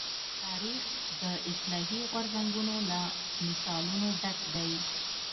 تاریخ د اصلاحي غورځنګونو له مثالونو ډک دی.